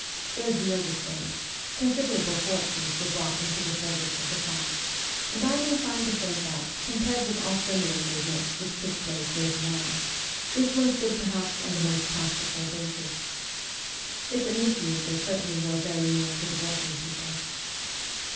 Their zeal was great ; considerable fortunes were brought into the service of the cause ; and I am inclined to think that, compared with all similar movements which ST. PETERSBURG 35 took place later on, this one stood perhaps on the most practical basis. Its initiators certainly were very near to the working people.